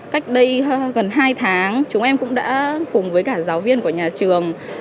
cách đây gần hai tháng chúng em cũng đã cùng với cả giáo viên của nhà trường